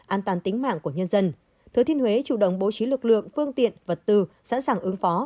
an toàn tính mạng của nhân dân thừa thiên huế chủ động bố trí lực lượng phương tiện vật tư sẵn sàng ứng phó